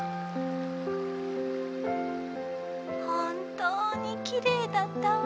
本当にきれいだったわ。